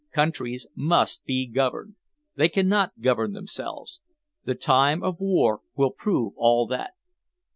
Countries must be governed. They cannot govern themselves. The time of war will prove all that."